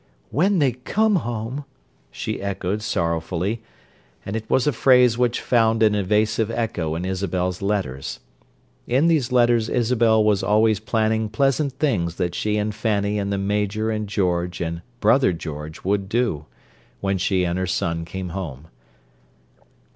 "When they come home!" she echoed sorrowfully—and it was a phrase which found an evasive echo in Isabel's letters. In these letters Isabel was always planning pleasant things that she and Fanny and the Major and George and "brother George" would do—when she and her son came home.